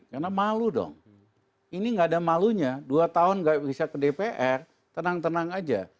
karena malu dong ini gak ada malunya dua tahun gak bisa ke dpr tenang tenang aja